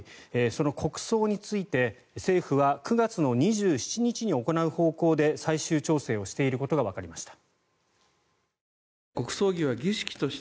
その国葬について政府は９月２７日に行う方向で最終調整をしていることがわかりました。